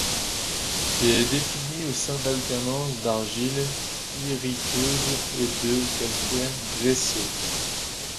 Il est défini au sein d'alternances d'argiles pyriteuses et de calcaires gréseux.